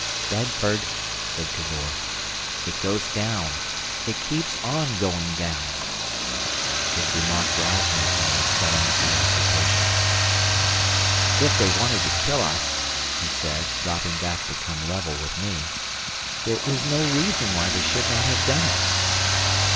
"Bedford," said Cavor, "it goes down. It keeps on going down." His remark roused me from my sullen pre occupation. "If they wanted to kill us," he said, dropping back to come level with me, "there is no reason why they should not have done it."